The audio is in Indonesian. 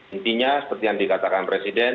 intinya seperti yang dikatakan presiden